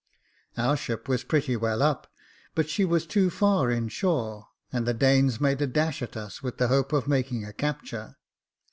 Our ship was pretty well up , but she was too far in shore ; and the Danes made a dash at us with the hope of making a capture.